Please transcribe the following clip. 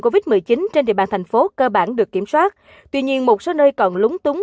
covid một mươi chín trên địa bàn thành phố cơ bản được kiểm soát tuy nhiên một số nơi còn lúng túng